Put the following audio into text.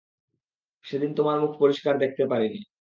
সেদিন তোমার মুখ পরিষ্কার দেখতে পারিনি।